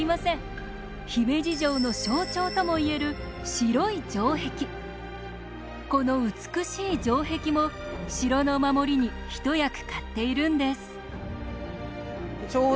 姫路城の象徴とも言えるこの美しい城壁も城の守りに一役買っているんです。